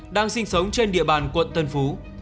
đang sinh sống trên địa bàn quận tân phú